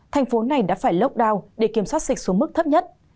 thành phố này đã phải lockdown để kiểm soát dịch xuống mức thấp nhất